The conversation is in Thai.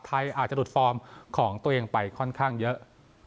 อาจจะหลุดฟอร์มของตัวเองไปค่อนข้างเยอะ